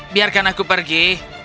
biarkan aku pergi